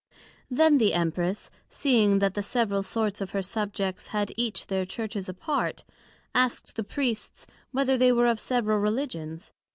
Then the Empress seeing that the several sorts of her Subjects had each their Churches apart, asked the Priests, whether they were of several Religions?